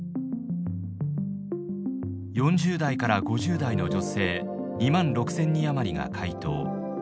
４０代から５０代の女性２万６，０００人余りが回答。